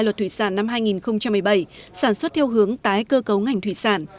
luật thủy sản năm hai nghìn một mươi bảy sản xuất theo hướng tái cơ cấu ngành thủy sản